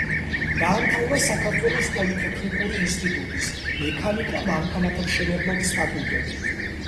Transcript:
დაამთავრა საქართველოს პოლიტექნიკური ინსტიტუტის მექანიკა-მანქანათმშენებლობის ფაკულტეტი.